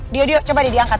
dio dio coba deh diangkat